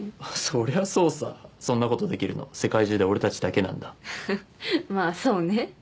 そりゃそうさそんなことできるの世界中で俺たちだけなんだははっまあそうね